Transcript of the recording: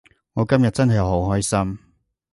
我今日真係好開心